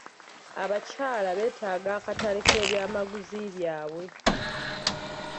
Abakyala beetaaga akatale k'ebyamaguzi byabwe.